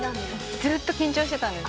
ずっと緊張してたんです。